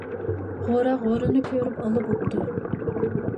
غورا غورىنى كۆرۈپ ئالا بوپتۇ.